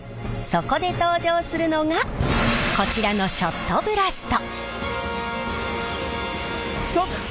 そこで登場するのがこちらのショットブラスト。